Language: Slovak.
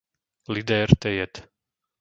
Lidér Tejed